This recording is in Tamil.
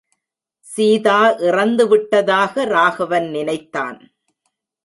சீதா இறந்துவிட்டதாக ராகவன் நினைத்தான்.